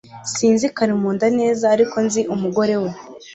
Sinzi Karimunda neza ariko nzi umugore we